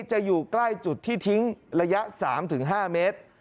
จะอยู่ใกล้จุดที่ทิ้งระยะ๓๕เมตร